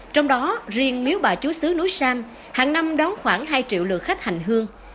trong đó riêng miếu bà chú sứ núi sam hằng năm đóng khoảng hai triệu lượt khách hành hương